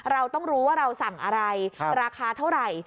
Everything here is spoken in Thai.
เราต้องรู้ว่าเราสั่งอะไรราคาเท่าไหร่